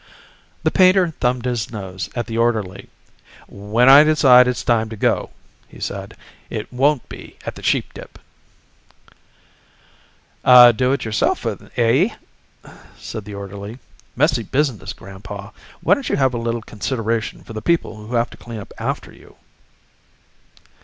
The painter thumbed his nose at the orderly. "When I decide it's time to go," he said, "it won't be at the Sheepdip." "A do it yourselfer, eh?" said the orderly. "Messy business, Grandpa. Why don't you have a little consideration for the people who have to clean up after you?"